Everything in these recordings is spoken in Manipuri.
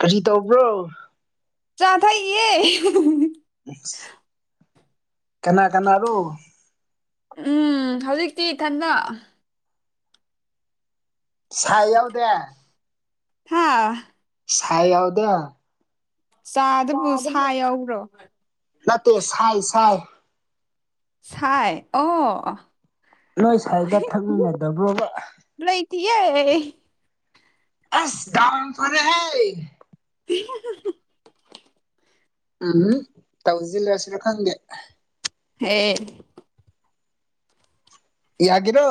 ꯀꯔꯤ ꯇꯧꯕ꯭ꯔꯣ ꯆꯥ ꯊꯛꯏꯌꯦ ꯀꯅꯥ ꯀꯅꯥꯔꯣ ꯎꯝ ꯍꯧꯖꯤꯛꯇꯤ ꯏꯊꯟꯗ ꯁꯥꯏ ꯌꯥꯎꯗꯦ ꯍꯥꯥ ꯁꯥꯢ ꯌꯥꯎꯗꯦ ꯆꯥꯗꯨꯕꯨ ꯁꯥ ꯌꯥꯎꯕ꯭ꯔꯣ ꯅꯠꯇꯦ ꯁꯥꯏ ꯁꯥꯏ ꯁꯥꯏ ꯑꯣ ꯅꯣꯏ ꯁꯥꯏꯒ ꯊꯛꯃꯤꯟꯅꯗꯕ꯭ꯔꯣꯕ ꯂꯩꯇꯤꯌꯦ ꯑꯁ ꯇꯥꯡ ꯐꯔꯦ ꯍꯦ ꯎꯝꯝ ꯇꯧꯁꯤꯜꯂꯁꯤꯔ ꯈꯪꯗꯦ ꯍꯦ ꯌꯥꯒꯦꯔꯣ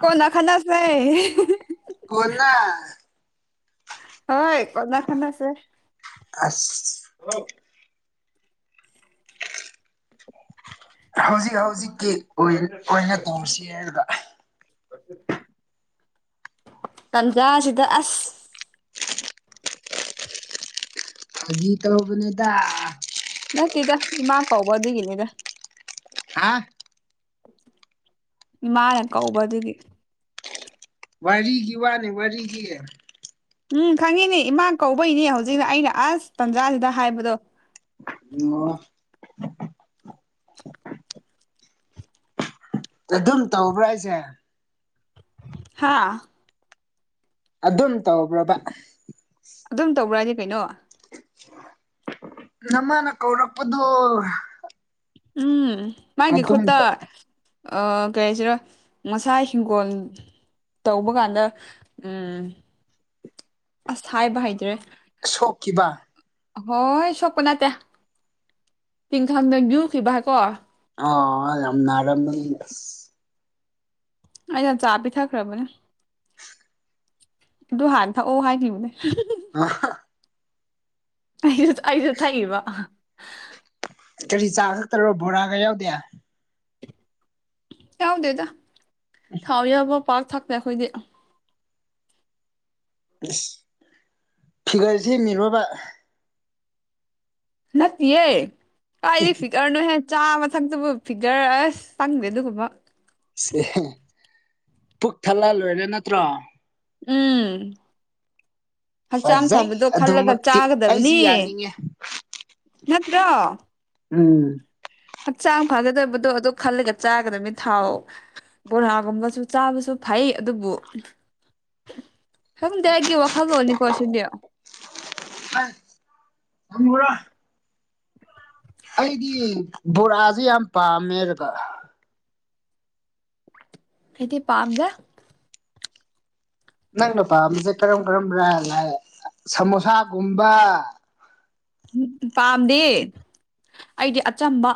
ꯀꯣꯟꯅꯥ ꯈꯟꯅꯁꯦ ꯀꯣꯟꯅ ꯍꯣꯏ ꯀꯣꯟꯅꯥ ꯈꯟꯅꯁꯦ ꯑꯁ ꯍꯜꯂꯣ ꯍꯧꯖꯤꯛ ꯍꯧꯖꯤꯛꯀꯤ ꯑꯣꯏꯅ ꯇꯣꯡꯁꯤ ꯍꯥꯏꯔꯒ ꯇꯟꯖꯥꯁꯤꯗ ꯑꯁ ꯐꯥꯒꯤ ꯇꯧꯕꯅꯤꯗ ꯅꯠꯇꯦꯗ ꯏꯃꯥ ꯀꯧꯕ ꯑꯗꯨꯒꯤꯅꯤꯗ ꯍꯥꯥ ꯏꯃꯥꯅ ꯀꯧꯕ ꯑꯗꯨꯒꯤꯅꯤ ꯋꯥꯔꯤꯒꯤ ꯋꯥꯅꯦ ꯋꯥꯔꯤꯒꯤ ꯎꯝ ꯈꯪꯉꯤꯅꯦ ꯏꯃꯥ ꯀꯧꯕꯩꯅꯦ ꯍꯧꯖꯤꯛ ꯑꯩꯅ ꯑꯁ ꯇꯥꯟꯖꯥꯁꯤꯗ ꯍꯥꯏꯕꯗꯣ ꯑꯣ ꯑꯗꯨꯝ ꯇꯧꯕ꯭ꯔꯥ ꯍꯥꯢꯁꯦ ꯍꯥꯥ ꯑꯗꯨꯝ ꯇꯧꯕ꯭ꯔꯕꯥ ꯑꯗꯨꯝ ꯇꯧꯕ꯭ꯔꯥ ꯍꯥꯏꯗꯤ ꯀꯩꯅꯣ ꯅꯃꯥꯅ ꯀꯧꯔꯛꯄꯗꯣ ꯎꯝ ꯃꯥꯒꯤ ꯑꯗꯨꯝ ꯈꯨꯠꯇ ꯑꯥ ꯀꯩ ꯍꯥꯏꯁꯤꯔꯥ ꯉꯁꯥꯏ ꯍꯤꯡꯒꯣꯜ ꯇꯧꯕ ꯀꯥꯟꯗ ꯎꯝ ꯑꯁ ꯍꯥꯏꯕ ꯍꯩꯇ꯭ꯔꯦ ꯁꯣꯛꯈꯤꯕ ꯍꯣꯏ ꯁꯣꯛꯄ ꯅꯠꯇꯦ ꯇꯤꯡꯈꯥꯡꯅ ꯌꯨꯈꯤꯕꯀꯣ ꯑꯣ ꯌꯥꯝ ꯅꯥꯔꯝꯃꯅꯤ ꯑꯩꯅ ꯆꯥ ꯄꯤꯊꯛꯈ꯭ꯔꯕꯅꯦ ꯑꯗꯨ ꯍꯥꯟꯅ ꯊꯛꯑꯣ ꯍꯥꯏꯈꯤꯕꯅꯦ ꯑꯍꯥ ꯑꯩꯁꯨ ꯑꯩꯁꯨ ꯊꯛꯏꯕ ꯀꯔꯤ ꯆꯥ ꯈꯛꯇꯔꯣ ꯕꯣꯔꯥꯒ ꯌꯥꯎꯗꯦ ꯌꯥꯎꯗꯦꯗ ꯊꯥꯎ ꯌꯥꯎꯕ ꯄꯥꯛ ꯊꯥꯛꯇꯦ ꯑꯩꯈꯣꯏꯗꯤ ꯁ꯭ꯢꯁ ꯐꯤꯒꯔ ꯁꯦꯝꯃꯤꯔꯣꯕ ꯅꯠꯇꯤꯌꯦ ꯀꯥꯏꯗꯩ ꯐꯤꯀꯔꯅꯣ ꯍꯦ ꯆꯥꯛꯒ ꯊꯛꯇꯕ ꯐꯤꯒꯔ ꯑꯁ ꯆꯪꯗꯦ ꯑꯗꯨꯒꯨꯝꯕ ꯁꯦ ꯄꯨꯛ ꯊꯜꯂ ꯂꯣꯏꯔꯦ ꯅꯠꯇ꯭ꯔꯣ ꯎꯝ ꯍꯛꯆꯥꯡ ꯐꯖꯩ ꯐꯕꯗꯣ ꯈꯜꯂꯒ ꯑꯗꯨꯃꯛꯇꯤ ꯑꯩꯁꯨ ꯆꯥꯒꯗꯕꯅꯤ ꯌꯥꯅꯤꯡꯉꯦ ꯅꯠꯇ꯭ꯔꯣ ꯎꯝ ꯍꯛꯆꯥꯡ ꯐꯒꯗꯕꯗꯣ ꯑꯗꯨ ꯈꯜꯂꯒ ꯆꯥꯒꯗꯕꯅꯤ ꯊꯥꯎ ꯕꯣꯔꯥꯒꯨꯝꯕꯁꯨ ꯆꯥꯕꯁꯨ ꯐꯩ ꯑꯗꯨꯕꯨ [inaudible] ꯍꯪꯗꯦ ꯑꯩꯒꯤ ꯋꯥꯈꯜ ꯂꯣꯟꯅꯤꯀꯣ ꯁꯤꯗꯤ ꯑꯝ ꯊꯝꯃꯨꯔ ꯑꯩꯗꯤ ꯕꯣꯔꯥꯁꯦ ꯌꯥꯝ ꯄꯥꯝꯃꯦꯕ ꯑꯩꯗꯤ ꯄꯥꯥꯝꯗꯦ ꯅꯪꯅ ꯄꯥꯝꯕꯁꯦ ꯀꯔꯝ ꯀꯔꯝꯕꯥ ꯂꯥꯏꯛ ꯁꯃꯣꯁꯥꯒꯨꯝꯕ ꯄꯥꯝꯗꯦ ꯑꯩꯗꯤ ꯑꯆꯝꯕ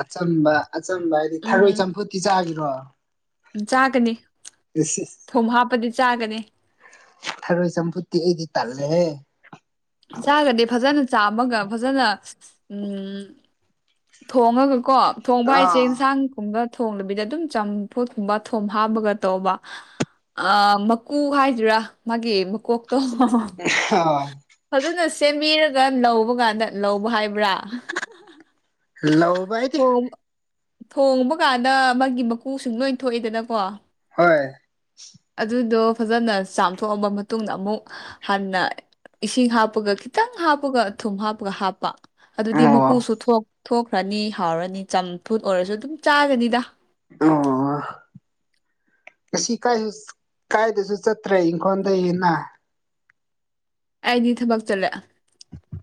ꯑꯆꯝꯕ ꯑꯆꯝꯕ ꯍꯥꯏꯗꯤ ꯊꯔꯣꯏ ꯎꯝ ꯆꯝꯐꯨꯠꯇꯤ ꯆꯥꯒꯤꯔꯣ ꯆꯥꯒꯅꯤ ꯏꯁ ꯏꯁ ꯊꯨꯝ ꯍꯥꯞꯄꯗꯤ ꯆꯥꯒꯅꯤ ꯊꯔꯣꯏ ꯆꯝꯐꯨꯠꯇꯤ ꯑꯩꯗꯤ ꯇꯜꯂꯦꯍꯦ ꯆꯥꯔꯒꯗꯤ ꯐꯖꯅ ꯆꯥꯝꯃꯒ ꯐꯖꯅ ꯎꯝ ꯊꯣꯡꯉꯒ ꯀꯣ ꯊꯣꯡꯕ ꯍꯥꯏꯁꯦ ꯑꯥ ꯌꯦꯟꯁꯥꯡ ꯊꯣꯡꯗꯕꯤꯗ ꯑꯗꯨꯝ ꯆꯝꯐꯨꯠ ꯀꯨꯝꯕ ꯊꯨꯝ ꯍꯥꯞꯄꯒ ꯇꯧꯕ ꯑ ꯃꯀꯨ ꯍꯥꯏꯗꯨꯏꯔꯥ ꯃꯥꯒꯤ ꯃꯀꯣꯛꯇꯣ ꯑ [unintelligible] ꯐꯖꯅ ꯁꯦꯝꯕꯤꯔꯒ ꯂꯧꯕ ꯀꯥꯟꯗ ꯂꯧꯕ ꯍꯥꯏꯕ꯭ꯔꯥ ꯂꯧꯕ ꯑꯩꯗꯤ ꯑꯣ ꯊꯣꯡꯕ ꯀꯥꯟꯗ ꯃꯥꯒꯤ ꯃꯀꯨꯁꯤꯡ ꯂꯣꯏ ꯊꯣꯛꯏꯗꯅꯀꯣ ꯍꯣꯏ ꯑꯗꯨꯗꯣ ꯐꯖꯅ ꯆꯥꯝꯊꯣꯛꯑꯕ ꯃꯇꯨꯡꯗ ꯑꯃꯨꯛ ꯍꯟꯅ ꯏꯁꯤꯡ ꯍꯥꯞꯄꯒ ꯈꯤꯇꯪ ꯍꯥꯞꯄꯒ ꯊꯨꯝ ꯍꯥꯞꯄꯒ ꯍꯥꯞꯄ ꯑꯗꯨꯗꯤ ꯑꯣ ꯃꯀꯨꯁꯨ ꯊꯣꯛ ꯊꯣꯛꯈ꯭ꯔꯅꯤ ꯍꯥꯎꯔꯅꯤ ꯆꯝꯐꯨꯠ ꯑꯣꯏꯔꯁꯨ ꯑꯗꯨꯝ ꯆꯥꯒꯅꯤꯗ ꯑꯣ ꯉꯁꯤ ꯀꯥꯏꯁꯨ ꯀꯥꯏꯗꯁꯨ ꯆꯠꯇ꯭ꯔꯦ ꯏꯪꯈꯣꯜꯗꯩ ꯍꯦꯟꯅ ꯑꯩꯗꯤ ꯊꯕꯛ ꯆꯠꯂꯦ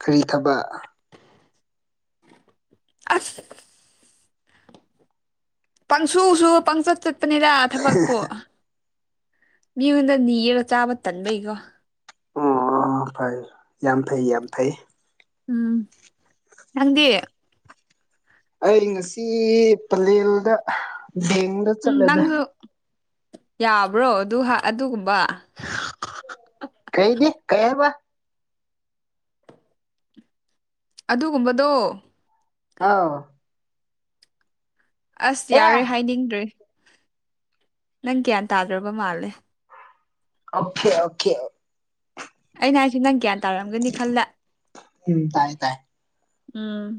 ꯀꯔꯤ ꯊꯕꯛ ꯑꯁ ꯄꯪꯁꯨꯁꯨ ꯄꯪꯆꯠ ꯆꯠꯄꯅꯤꯗ ꯊꯕꯛꯄꯨ ꯃꯤꯉꯣꯟꯗ ꯅꯤꯔꯒ ꯆꯥꯕ ꯇꯟꯕꯩꯀꯣ ꯑꯣ ꯐꯩ ꯌꯥꯝ ꯐꯩ ꯌꯥꯝ ꯐꯩ ꯎꯝ ꯅꯪꯗꯤ ꯑꯩ ꯉꯁꯤ ꯄꯂꯦꯜꯗ ꯗꯦꯡ ꯎꯝ ꯅꯪꯁꯨ ꯌꯥꯕ꯭ꯔꯣ ꯑꯗꯨ ꯑꯗꯨꯒꯨꯝꯕ ꯀꯩꯒꯤ ꯀꯩ ꯍꯥꯏꯕ ꯑꯗꯨꯒꯨꯝꯕꯗꯣ ꯑꯥꯎ ꯑꯁ ꯑꯦ ꯌꯥꯔꯣꯏ ꯍꯥꯏꯅꯤꯡꯗ꯭ꯔꯦ ꯅꯪ ꯒ꯭ꯌꯥꯟ ꯇꯥꯗ꯭ꯔꯕ ꯃꯥꯜꯂꯦ ꯑꯣꯛꯈꯦ ꯑꯣꯛꯈꯦ ꯑꯩꯅ ꯍꯥꯏꯁꯤ ꯅꯪ ꯒ꯭ꯌꯥꯟ ꯇꯥꯔꯝꯒꯅꯤ ꯈꯟꯂꯦ ꯎꯝ ꯇꯥꯏ ꯇꯥꯏ ꯎꯝ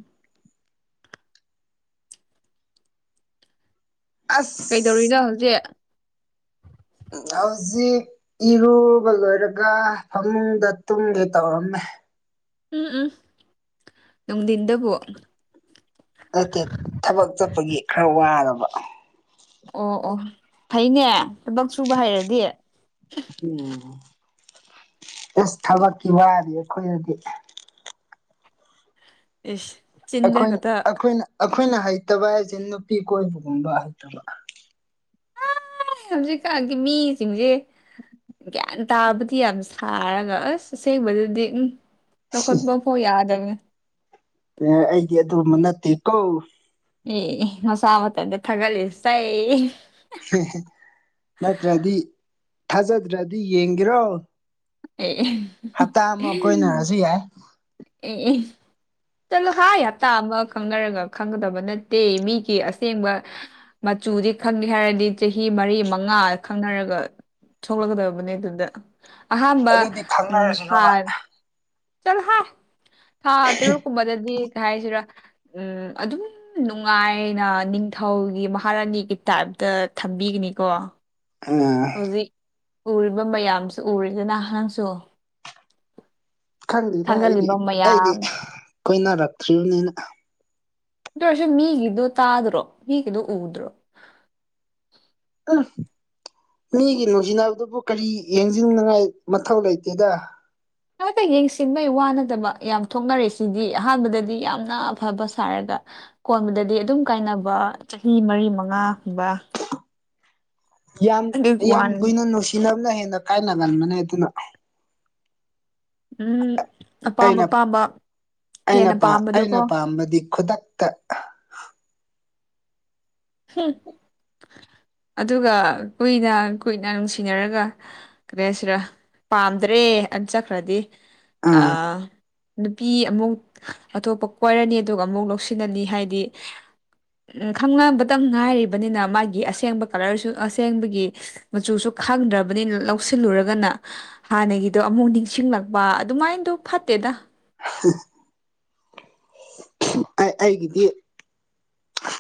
ꯑꯁ ꯀꯩꯗꯧꯔꯤꯅꯣ ꯍꯧꯖꯤꯛ ꯍꯧꯖꯤꯛ ꯏꯔꯨꯕ ꯂꯣꯏꯔꯒ ꯐꯃꯨꯡꯗ ꯇꯨꯝꯒꯦ ꯇꯧꯔꯝꯃꯦ ꯎꯝ ꯎꯝ ꯅꯨꯡꯗꯤꯟꯗꯕꯨ ꯅꯠꯇꯦ ꯊꯕꯛ ꯆꯠꯄꯒꯤ ꯈꯔ ꯋꯥꯔꯕ ꯑꯣ ꯑꯣ ꯐꯩꯅꯦ ꯊꯕꯛ ꯁꯨꯕ ꯍꯩꯔꯗꯤ ꯎꯝ ꯑꯦꯁ ꯊꯕꯛꯀꯤ ꯋꯥꯗꯤ ꯑꯩꯈꯣꯏꯗꯗꯤ ꯏꯁ ꯆꯤꯟꯗ ꯑꯩꯈꯣꯏ ꯈꯛꯇ ꯑꯈꯣꯏꯅ ꯑꯈꯣꯏꯅ ꯍꯩꯇꯕ ꯍꯦꯏꯁꯦ ꯅꯨꯄꯤ ꯀꯣꯏꯕꯒꯨꯝꯕ ꯍꯩꯇꯕ ꯑꯩ ꯍꯧꯖꯤꯛꯀꯥꯟꯒꯤ ꯃꯤꯁꯤꯡꯖꯦ ꯒ꯭ꯌꯥꯟ ꯇꯥꯕꯗꯤ ꯌꯥꯝ ꯁꯥꯔꯒ ꯑꯁ ꯑꯁꯦꯡꯕꯗꯗꯤ ꯎꯝ ꯂꯧꯈꯠꯄ ꯍꯣ ꯌꯥꯗꯝꯅꯦ ꯑꯩꯗꯤ ꯑꯗꯨꯒꯨꯝꯕ ꯅꯠꯇꯦ ꯀꯣ ꯑꯦ ꯃꯁꯥ ꯃꯊꯟꯇ ꯊꯥꯒꯠꯂꯤꯁꯦ ꯅꯠꯇ꯭ꯔꯗꯤ ꯊꯥꯖꯗ꯭ꯔꯗꯤ ꯌꯦꯡꯒꯦꯔꯣ [unintelligible] ꯍꯞꯇꯥ ꯑꯃ ꯀꯣꯏꯅꯔꯁꯨ ꯌꯥꯏ ꯑꯦ ꯑꯦ ꯆꯠꯂꯨ ꯍꯥꯏ ꯍꯞꯇꯥ ꯑꯃ ꯈꯪꯅꯔꯒ ꯈꯪꯒꯗꯕ ꯅꯠꯇꯦ ꯃꯤꯒꯤ ꯑꯁꯦꯡꯕ ꯃꯆꯨꯗꯤ ꯈꯪꯒꯦ ꯍꯥꯏꯔꯗꯤ ꯆꯍꯤ ꯃꯔꯤ ꯃꯉꯥ ꯈꯪꯅꯔꯒ ꯊꯣꯛꯂꯛꯀꯗꯕꯅꯦ ꯑꯗꯨꯗ ꯑꯍꯥꯟꯕ ꯑꯗꯨꯗꯤ ꯎꯝ ꯊꯥ ꯈꯪꯅꯔꯁꯤꯔꯣꯕ ꯆꯠꯂꯥꯥꯍꯥꯏ ꯊꯥ ꯇꯔꯨꯛꯀꯨꯝꯕꯗꯗꯤ ꯀꯩ ꯍꯥꯏꯁꯤꯔꯥ ꯎꯝ ꯑꯗꯨꯝ ꯅꯨꯡꯉꯥꯏꯅ ꯅꯤꯡꯊꯧꯒꯤ ꯃꯍꯥꯔꯥꯅꯤꯒꯤ ꯇꯥꯏꯞꯇ ꯊꯝꯕꯤꯒꯅꯤꯀꯣ [unintelligible] ꯍꯧꯖꯤꯛ ꯎꯔꯤꯕ ꯃꯌꯥꯝꯁꯨ ꯎꯔꯤꯗꯅ ꯅꯪꯁꯨ ꯈꯪꯗꯦꯗ ꯑꯩꯗꯤ ꯊꯥꯒꯠꯂꯤꯕ ꯑꯩꯗꯤ ꯃꯌꯥꯝ ꯀꯣꯏꯅꯔꯛꯇ꯭ꯔꯤꯕꯅꯤꯅ ꯑꯗꯨꯑꯣꯏꯔꯁꯨ ꯃꯤꯒꯤꯗꯣ ꯇꯥꯗ꯭ꯔꯣ ꯃꯤꯒꯤꯗꯣ ꯎꯗ꯭ꯔꯣ ꯎꯝ ꯃꯤꯒꯤ ꯅꯨꯡꯁꯤꯅꯕꯗꯨꯕꯨ ꯀꯔꯤ ꯌꯦꯡꯖꯤꯟꯅꯤꯉꯥꯏ ꯃꯊꯧ ꯂꯩꯇꯦꯗ ꯈꯛꯇ ꯌꯦꯡꯁꯤꯟꯕꯩ ꯋꯥꯅꯗꯕ ꯌꯥꯝ ꯊꯣꯛꯅꯔꯦ ꯁꯤꯗꯤ ꯑꯍꯥꯟꯕꯗꯗꯤ ꯌꯥꯝꯅ ꯑꯐꯕ ꯁꯥꯔꯒ ꯑꯀꯣꯟꯕꯗꯗꯤ ꯑꯗꯨꯝ ꯀꯥꯏꯅꯕ ꯆꯍꯤ ꯃꯔꯤ ꯃꯉꯥꯒꯨꯝꯕ ꯌꯥꯝ ꯑꯗꯨꯒꯤ ꯌꯥꯝ ꯋꯥꯅꯤ ꯀꯨꯏꯅ ꯅꯨꯡꯁꯤꯅꯕꯅ ꯍꯦꯟꯅ ꯀꯥꯏꯅꯒꯟꯕꯅꯦ ꯑꯗꯨꯅ ꯎꯝ ꯑꯄꯥꯝ ꯑꯩꯅ ꯑꯄꯥꯝꯕ ꯑꯩꯅ ꯍꯦꯟꯅ ꯄꯥ ꯄꯥꯝꯕꯗꯣꯀꯣ ꯑꯩꯅ ꯈꯨꯗꯛꯇ ꯍꯨꯝ ꯑꯗꯨꯒ ꯀꯨꯏꯅ ꯀꯨꯏꯅ ꯅꯨꯡꯁꯤꯅꯔꯒ ꯀꯔꯤ ꯍꯥꯏꯁꯤꯔ ꯄꯥꯝꯗ꯭ꯔꯦ ꯑ ꯆꯠꯈ꯭ꯔꯗꯤ ꯑꯥ ꯅꯨꯄꯤ ꯑꯃꯨꯛ ꯑꯇꯣꯞꯄ ꯀꯣꯏꯔꯅꯤ ꯑꯗꯨꯒ ꯑꯃꯨꯛ ꯂꯧꯁꯤꯂꯅꯤ ꯍꯥꯏꯗꯤ ꯈꯪꯅꯕꯇꯪ ꯉꯥꯏꯔꯤꯕꯅꯤꯅ ꯃꯥꯒꯤ ꯑꯁꯦꯡꯕ ꯀꯂꯔꯁꯨ ꯑꯁꯦꯡꯕꯒꯤ ꯃꯆꯨꯁꯨ ꯈꯪꯗ꯭ꯔꯕꯅꯤꯅ ꯂꯧꯁꯤꯜꯂꯨꯔꯒꯅ ꯍꯥꯟꯅꯒꯤꯗꯣ ꯑꯃꯨꯛ ꯅꯤꯡꯁꯤꯡꯂꯛꯄ ꯑꯗꯨꯃꯥꯏꯗꯣ ꯐꯠꯇꯦꯗ [unintelligible] ꯑꯩ ꯑꯩꯒꯤꯗꯤ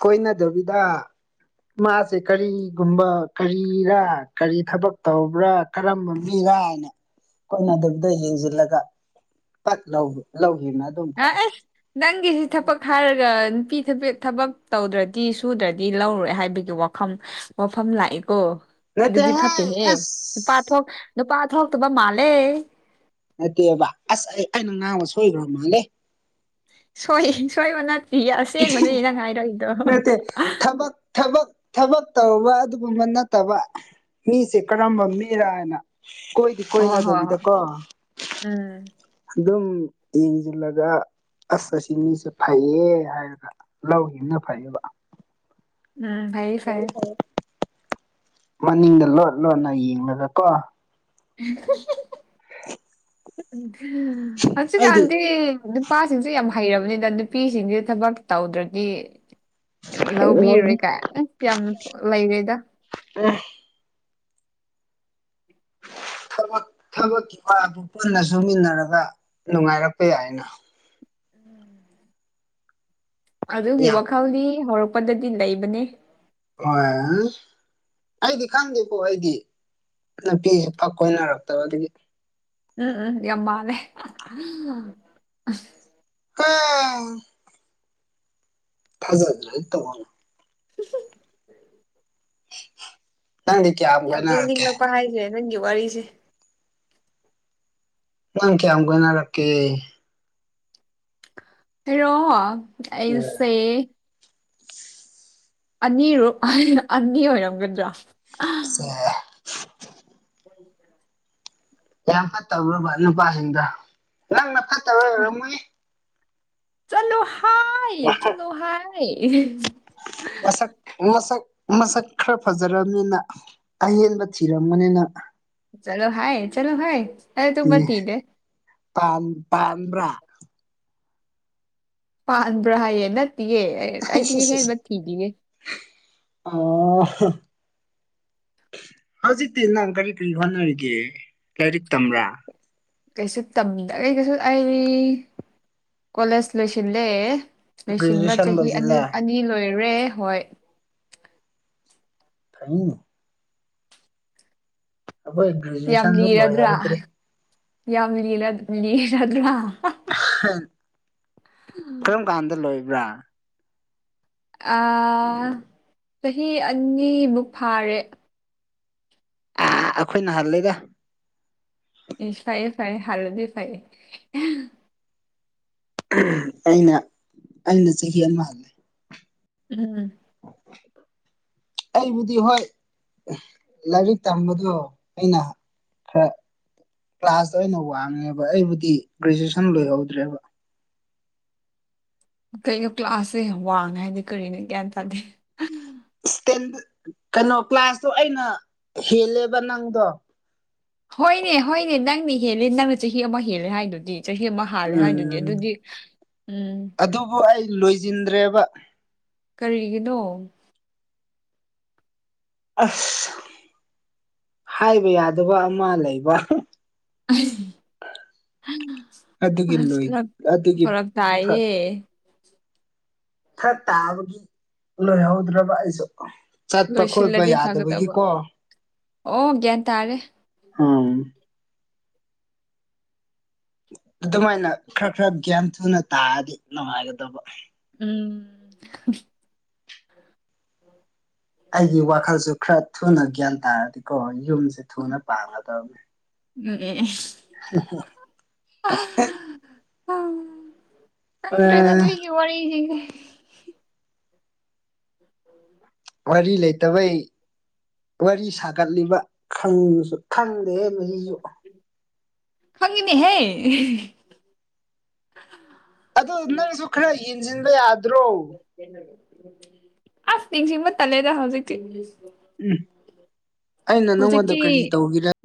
ꯀꯣꯏꯅꯗꯕꯤꯗ ꯃꯥꯁꯦ ꯀꯔꯤꯒꯨꯝꯕ ꯀꯔꯤꯔꯥ ꯀꯔꯤ ꯊꯕꯛ ꯇꯧꯕ꯭ꯔꯥ ꯀꯔꯝꯕ ꯃꯤꯔ ꯍꯥꯏꯅ ꯑꯩꯈꯣꯏꯅ ꯑꯗꯨꯗ ꯌꯦꯡꯁꯤꯜꯂꯒ ꯄꯠ ꯂꯧ ꯂꯧꯈꯤ ꯃꯥ ꯂꯥꯛꯑꯦ [unintelligible] ꯅꯪꯒꯤꯁꯤ ꯊꯕꯛ ꯍꯥꯏꯔꯒ ꯅꯨꯄꯤ ꯊꯕꯛ ꯇꯧꯗ꯭ꯔꯗꯤ ꯁꯨꯗ꯭ꯔꯗꯤ ꯂꯧꯔꯣꯢ ꯍꯥꯏꯕꯒꯤ ꯋꯥ ꯐꯝ ꯋꯥꯐꯝ ꯂꯥꯛꯑꯦꯀꯣ ꯑꯗꯨꯗꯤ ꯅꯠꯇꯦꯍꯦ ꯐꯠꯇꯦꯍꯦ ꯑꯁ ꯅꯨꯄꯥ ꯊꯣꯛ ꯅꯨꯄꯥ ꯊꯣꯛꯇꯕ ꯃꯥꯜꯂꯦ ꯅꯠꯇꯦꯕ ꯑꯁ ꯑꯩ ꯑꯩꯅ ꯉꯥꯡꯕ ꯁꯣꯏꯈ꯭ꯔ ꯃꯥꯜꯂꯦ ꯁꯣꯏ ꯁꯣꯏꯕ ꯅꯠꯇꯤꯌꯦ ꯑꯁꯦꯡꯕꯅꯦ ꯅꯪꯅ ꯍꯥꯏꯔꯛꯏꯗꯣ ꯅꯠꯇꯦ ꯊꯕꯛ ꯊꯕꯛ ꯊꯕꯛ ꯇꯧꯕ ꯑꯗꯨꯒꯨꯝꯕ ꯅꯠꯇꯕ ꯃꯤꯁꯦ ꯀꯔꯝꯕ ꯃꯤꯔꯥ ꯍꯥꯏꯅ ꯀꯣꯏꯗꯤ ꯍꯣꯏ ꯍꯣꯏ ꯀꯣꯏꯅꯗꯕꯤꯗ ꯍꯣꯏ ꯀꯣ ꯎꯝ ꯑꯗꯨꯝ ꯌꯦꯡꯁꯤꯜꯂꯒ ꯑꯁ ꯑꯁꯤ ꯃꯤꯁꯦ ꯐꯩꯌꯦ ꯍꯥꯏꯔꯒ ꯂꯧꯈꯤꯕꯅ ꯐꯩꯌꯦꯕ ꯎꯝ ꯐꯩꯌꯦ ꯐꯩꯌꯦ ꯃꯅꯤꯡꯗ ꯂꯣꯠ ꯂꯣꯠꯅ ꯌꯦꯡꯂꯒ ꯀꯣ ꯍꯧꯖꯤꯛ ꯑꯩꯗꯤ ꯀꯥꯟꯗꯤ ꯅꯨꯄꯥꯁꯤꯡꯁꯦ ꯌꯥꯝ ꯍꯩꯔꯕꯅꯤꯗ ꯅꯨꯄꯤꯁꯤꯡꯁꯦ ꯊꯕꯛ ꯇꯧꯗ꯭ꯔꯗꯤ ꯂꯧꯕꯤꯔꯣꯏ ꯂꯧꯅꯤꯡꯗ꯭ꯔꯦ ꯀꯥꯏ ꯑꯁ ꯌꯥꯝ ꯂꯩꯔꯦꯗ ꯑꯝ ꯊꯕꯛ ꯊꯕꯛ ꯃꯥ ꯄꯨꯟꯅ ꯁꯨꯃꯤꯟꯅꯔꯒ ꯅꯨꯡꯉꯥꯏꯔꯛꯄ ꯌꯥꯏꯅ ꯎꯝ [inaudible] ꯑꯗꯨꯒꯤ ꯌꯥꯝ ꯋꯥꯈꯜꯗꯤ ꯍꯧꯔꯛꯄꯗꯗꯤ ꯂꯩꯕꯅꯦ ꯍꯣꯢ ꯑꯩꯗꯤ ꯈꯪꯗꯦꯀꯣ ꯑꯩꯗꯤ ꯅꯨꯄꯤꯁꯦ ꯄꯥꯛ ꯀꯣꯏꯅꯔꯛꯇꯕ ꯑꯗꯨꯒꯤ ꯎꯝ ꯎꯝ ꯌꯥꯝ ꯃꯥꯂꯦ ꯑ [unintelligible] ꯊꯥꯖꯗ꯭ꯔꯥ ꯇꯣꯛꯑꯣꯅ [unintelligible] ꯅꯪꯗꯤ ꯀꯌꯥ ꯌꯥꯝ ꯅꯣꯛꯅꯤꯡꯂꯛꯄ ꯍꯥꯏꯁꯦ ꯅꯪꯒꯤ ꯋꯥꯔꯤꯁꯦ ꯅꯪ ꯀꯌꯥꯝ ꯀꯣꯏꯅꯔꯛꯀꯦ ꯑꯩꯔꯣ ꯎꯝ ꯑꯩꯁꯦ ꯑꯅꯤꯔꯛ ꯑꯅꯤ ꯑꯣꯏꯔꯝꯒꯗ꯭ꯔꯥ ꯁꯦꯁ ꯎ [inaudible] ꯌꯥꯝ ꯐꯠꯇꯕ꯭ꯔꯕꯥ ꯅꯨꯄꯥꯁꯤꯡꯗꯣ ꯅꯪꯅ ꯐꯠꯇꯕ ꯑꯣꯏꯔꯝꯒꯅꯤ ꯆꯠꯂꯣ ꯍꯥꯏ ꯆꯠꯂꯣ ꯍꯥꯏ ꯃꯁꯛ ꯃꯁꯛ ꯃꯁꯛ ꯈꯔ ꯐꯖꯔꯕꯅꯤꯅ ꯑꯍꯦꯟꯕ ꯊꯤꯔꯝꯒꯅꯤ ꯅꯪ ꯆꯠꯂꯣ ꯍꯥꯏ ꯆꯠꯂꯣ ꯍꯥꯏ ꯑꯩ ꯑꯇꯨꯒꯨꯝꯕ ꯊꯤꯗꯦ ꯄꯥꯟ ꯄꯥꯟꯕ꯭ꯔꯥ ꯄꯥꯟꯕ꯭ꯔꯥ ꯍꯥꯏꯌꯦ ꯅꯠꯇꯦꯌꯦ ꯑꯩꯗꯤ ꯑꯍꯦꯟꯕ ꯊꯤꯗꯤꯌꯦ ꯑꯣ ꯍꯧꯖꯤꯛꯇꯤ ꯅꯪ ꯀꯔꯤ ꯀꯔꯤ ꯍꯣꯠꯅꯔꯤꯒꯦ ꯂꯥꯏꯔꯤꯛ ꯇꯝꯕ꯭ꯔꯥ ꯀꯩꯁꯨ ꯇꯝꯗꯦ ꯑꯩ ꯀꯩꯁꯨ ꯑꯩ ꯀꯣꯂꯦꯖ ꯂꯣꯏꯁꯤꯜꯂꯦ ꯂꯣꯏꯁꯤꯟꯕ ꯒ꯭ꯔꯦꯖꯨꯑꯦꯁꯟ ꯆꯍꯤ ꯑꯅꯤ ꯂꯣꯏꯁꯤꯜꯂꯦ ꯑꯅꯤ ꯂꯣꯏꯔꯦ ꯍꯣꯏ ꯎꯪ ꯑꯈꯣꯏꯒꯤ ꯌꯥꯝ ꯂꯤꯔꯗ꯭ꯔꯥ ꯌꯥꯝ ꯂꯤꯔꯗ꯭ꯔꯥ ꯀꯔꯝ ꯀꯥꯟꯗ ꯂꯣꯏꯕ꯭ꯔꯥ ꯆꯍꯤ ꯑꯅꯤꯃꯨꯛ ꯐꯥꯔꯦ ꯑꯩꯈꯣꯏꯅ ꯍꯥꯟ ꯂꯦꯗ ꯏꯁ ꯐꯥꯏꯌꯦ ꯐꯥꯏꯌꯦ ꯍꯜꯂꯗꯤ ꯐꯥꯏꯌꯦ ꯑꯩꯅ ꯑꯩꯅ ꯆꯍꯤ ꯑꯃ ꯍꯜꯂꯦ ꯎꯝ [inaudible] ꯑꯩꯕꯨꯗꯤ ꯍꯣꯏ ꯂꯥꯏꯔꯤꯛ ꯇꯝꯕꯗꯣ ꯑꯩꯅ ꯈꯔ ꯀ꯭ꯂꯥꯁꯇꯣ ꯑꯩꯅ ꯋꯥꯡꯉꯦꯕ ꯑꯩꯕꯨꯗꯤ ꯒ꯭ꯔꯦꯖꯨꯑꯦꯁꯟ ꯂꯣꯏꯍꯧꯗ꯭ꯔꯦꯕ ꯀꯩꯅꯣ ꯀ꯭ꯂꯥꯁꯁꯦ ꯋꯥꯡꯉꯦ ꯍꯥꯏꯗꯤ ꯀꯔꯤꯅꯣ ꯒ꯭ꯌꯥꯟ ꯇꯥꯗꯦ ꯀꯩꯅꯣ ꯀ꯭ꯂꯥꯁꯇꯣ ꯑꯩꯅ ꯍꯦꯜꯂꯦꯕ ꯅꯪꯗꯣ ꯍꯣꯏꯅꯦ ꯍꯣꯏꯅꯦ ꯅꯪꯅꯦ ꯍꯦꯜꯂꯦ ꯅꯪꯅ ꯆꯍꯤ ꯑꯃ ꯍꯦꯜꯂꯦ ꯍꯥꯏꯗꯨꯗꯤ ꯆꯍꯤ ꯑꯃ ꯍꯥꯂꯦ ꯍꯥꯏꯗꯨꯗꯤ ꯎꯝ ꯑꯗꯨꯗꯤ ꯎꯝ ꯑꯗꯨ ꯑꯩ ꯂꯣꯏꯁꯤꯟꯗ꯭ꯔꯦꯕ ꯀꯔꯤꯒꯤꯅꯣ ꯑꯁ ꯍꯥꯏꯕ ꯌꯥꯗꯕ ꯑꯃ ꯂꯩꯕ ꯑꯗꯨꯒꯤ ꯑꯁ ꯂꯣꯏ ꯈꯔ ꯑꯗꯨꯒꯤ ꯐꯔꯛ ꯇꯥꯏꯌꯦ ꯐꯔꯛ ꯐꯔꯛ ꯇꯥꯕꯒꯤ ꯂꯣꯏꯍꯧꯗ꯭ꯔꯕ ꯑꯩꯁꯨ ꯆꯠꯄ ꯈꯣꯠꯄ ꯂꯣꯏꯁꯤꯜꯂꯗꯤ ꯐꯒꯗꯕ ꯌꯥꯗꯕꯒꯤꯀꯣ ꯑꯣ ꯒ꯭ꯌꯥꯟ ꯇꯥꯔꯦ ꯑꯝ ꯑꯗꯨꯃꯥꯏꯅ ꯈꯔ ꯈꯔ ꯒ꯭ꯌꯥꯟ ꯊꯨꯅ ꯇꯥꯔꯗꯤ ꯅꯨꯡꯉꯥꯏꯒꯗꯕ ꯎꯝ ꯑꯩꯒꯤ ꯋꯥꯈꯜꯁꯨ ꯈꯔ ꯊꯨꯅ ꯒ꯭ꯌꯥꯟ ꯇꯥꯔꯗꯤꯀꯣ ꯌꯨꯝꯁꯦ ꯊꯨꯅ ꯄꯥꯟꯒꯗꯕꯅꯦ ꯏꯪ [unintelligible] ꯑꯦ ꯑꯦ ꯍ ꯍ [unintelligible] ꯈꯪꯗ꯭ꯔꯦꯗ ꯑꯥ ꯅꯣꯏꯒꯤ ꯋꯥꯔꯤꯁꯤꯗꯤ ꯎꯝ [inaudible] ꯋꯥꯔꯤ ꯂꯩꯇꯕꯩ ꯋꯥꯔꯤ ꯁꯥꯒꯠꯂꯤꯕ ꯈꯪꯉꯁꯨ ꯈꯪꯗꯦꯍꯦ ꯃꯁꯤꯁꯨ ꯈꯪꯉꯤꯅꯦꯍꯦ ꯑꯗꯨ ꯅꯪꯁꯨ ꯈꯔ ꯌꯦꯡꯁꯤꯟꯕ ꯌꯥꯗ꯭ꯔꯣ ꯑꯁ ꯅꯤꯡꯁꯤꯡꯕ ꯇꯜꯂꯦꯗ ꯍꯧꯖꯤꯛꯇꯤ ꯎꯝ ꯑꯩꯅ ꯅꯪꯉꯣꯟꯗ ꯍꯧꯖꯤꯛꯇꯤ ꯀꯔꯤ ꯇꯧꯒꯦꯔꯥ